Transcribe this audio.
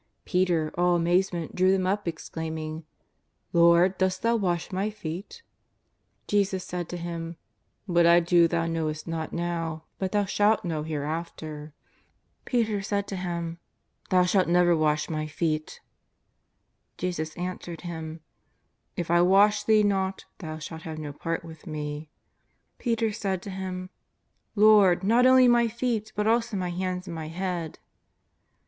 Peter, all amazement, drew them up, exclaiming :" Lord, dost Thou wash my feet ?'' Jesus said to him :^' What I do thou knowest not now, but thou shalt know hereafter." Peter said to Him :^' Thou shalt never wash my feet." Jesus answered him :'' If I wash thee not thou shalt have no part with Me." Peter said to Him :" Lord, not only my feet but also my hands and my head."